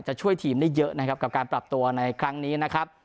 ช่วยทีมได้เยอะนะครับกับการปรับตัวในครั้งนี้นะครับ